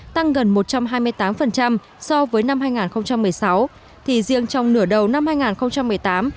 tăng gần một trăm hai mươi tám so với năm hai nghìn một mươi sáu thì riêng trong nửa đầu năm hai nghìn một mươi tám